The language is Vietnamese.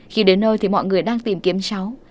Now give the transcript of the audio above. khi đến nơi thì mọi người đang tìm kiếm cháu